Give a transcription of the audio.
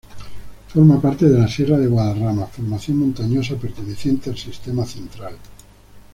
Forma parte de la sierra de Guadarrama, formación montañosa perteneciente al sistema Central.